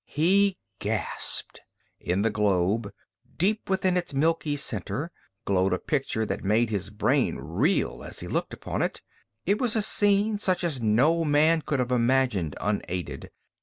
He gasped. In the globe, deep within its milky center, glowed a picture that made his brain reel as he looked upon it. It was a scene such as no man could have imagined unaided.